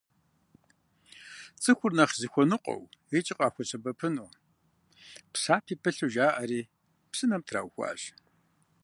Цӏыхур нэхъ зыхуэныкъуэу икӏи къахуэсэбэпыну, псапи пылъу жаӏэри псынэм траухуащ.